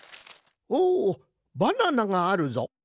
おおバナナがあるぞ。